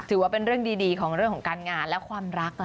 ถือว่าเป็นเรื่องดีของเรื่องของการงานและความรัก